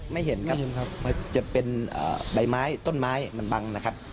ไม่เห็นครับมันจะเป็นใบไม้ต้นไม้มันบังนะครับ